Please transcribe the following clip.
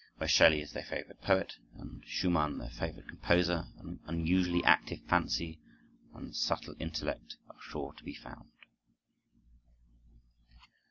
Where Shelley is the favorite poet, and Schumann the favorite composer, an unusually active fancy and subtle intellect are sure to be found.